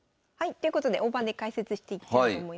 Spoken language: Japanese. ということで大盤で解説していきたいと思います。